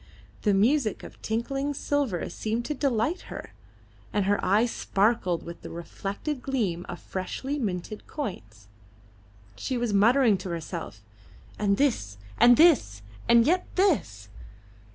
The music of tinkling silver seemed to delight her, and her eyes sparkled with the reflected gleam of freshly minted coins. She was muttering to herself: "And this, and this, and yet this!